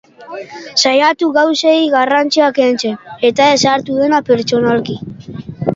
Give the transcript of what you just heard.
Saiatu gauzei garrantzia kentzen, eta ez hartu dena pertsonalki.